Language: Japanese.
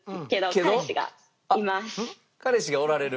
彼氏おられる。